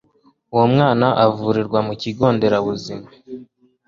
uwo mwana avurirwa ku kigo nderabuzima